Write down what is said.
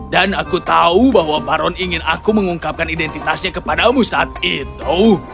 dan aku tahu bahwa baron ingin aku mengungkapkan identitasnya kepadamu saat itu